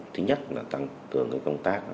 thứ nhất là tăng cường công tác